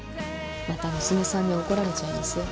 また娘さんに怒られちゃいますよ。